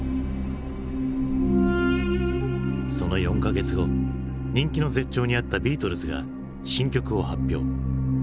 その４か月後人気の絶頂にあったビートルズが新曲を発表。